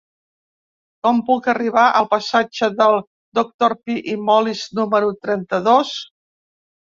Com puc arribar al passatge del Doctor Pi i Molist número trenta-dos?